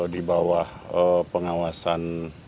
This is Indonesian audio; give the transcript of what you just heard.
di bawah pengawasan